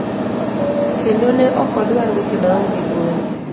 kendo ne okodwar weche maonge luor.